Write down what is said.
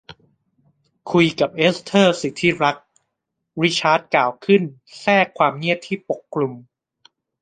คุยกับเอสเธอร์สิที่รัก ริชาร์ดกล่าวขึ้นแทรกความเงียบที่ปกคลุม